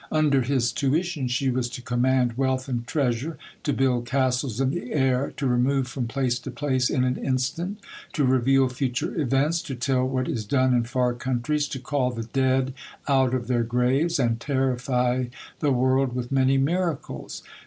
Under his tuition she was to command wealth and treasure, to build castles in the air, to remove from place to place in an instant, to reveal future events, to tell what is done in far countries, to call the dead out of their graves, and terrify the world GIL BLAS FIGHTS A DUEL. with many miracles.